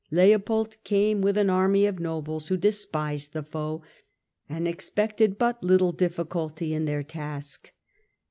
Leopold came with an army of nobles who despised the foe and expected but little difficulty in their task.